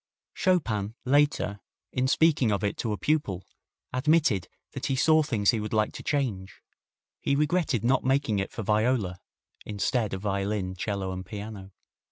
Chopin later, in speaking of it to a pupil, admitted that he saw things he would like to change. He regretted not making it for viola, instead of violin, 'cello and piano.